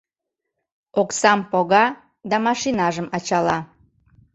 Оксам пога да машинажым ачала.